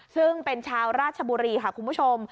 ซึ่งเป็นชาวราชบุรีค่ะคุณผู้ชม